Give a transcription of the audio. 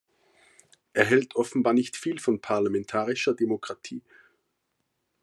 Er hält offenbar nicht viel von parlamentarischer Demokratie.